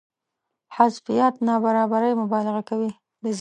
حذفيات نابرابرۍ مبالغه کوي.